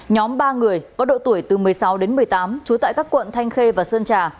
nhóm ba người có độ tuổi từ một mươi sáu đến một mươi tám trú tại các quận thanh khê và sơn trà